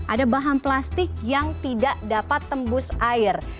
ada bahan plastik yang tidak dapat tembus air